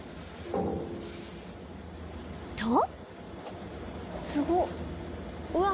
［と］